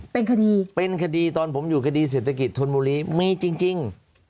เป็นคดีเป็นคดีตอนผมอยู่คดีเศรษฐกิจธนบุรีมีจริง